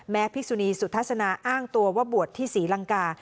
พิสุนีสุทัศนาอ้างตัวว่าบวชที่ศรีลังกา